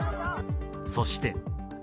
そして。